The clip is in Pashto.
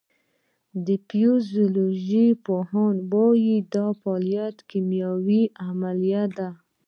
د فزیولوژۍ پوهان وایی دا فعالیت کیمیاوي عملیه ده